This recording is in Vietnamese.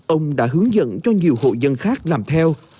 ông đã hướng dẫn cho nhiều hộ dân khác làm theo